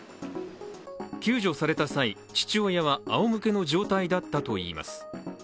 救助された際父親はあおむけの状態だったといいます。